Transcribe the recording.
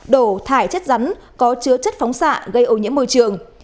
đổ thải chất rắn có chứa chất phóng xạ gây ô nhiễm môi trường